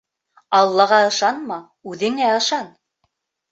Аллаға ышанма, үҙеңә ышан.